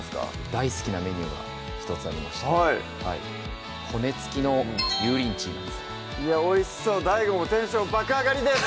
大好きなメニューが１つありまして骨付きの油淋鶏なんですいやおいしそうＤＡＩＧＯもテンション爆上がりです！